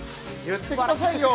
言ってくださいよ！